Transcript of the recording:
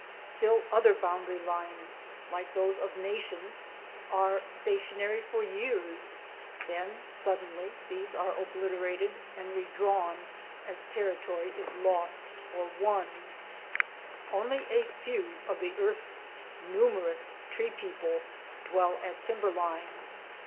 Still other boundary lines, like those of nations, are stationary for years, then suddenly these are obliterated and redrawn, as territory is lost or won. 74 THE ADVENTURES OF A NATURE GUIDE Only a few of the earth's numerous tree people dwell at timberline.